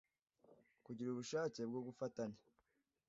kugira ubushake bwo gufatanya.